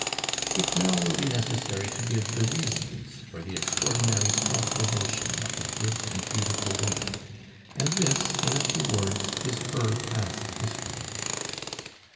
It now will be necessary to give the reasons for the extraordinary self devotion of a good and beautiful woman; and this, in a few words, is her past history.